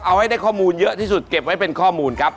เอาให้ได้ข้อมูลเยอะที่สุดเก็บไว้เป็นข้อมูลครับ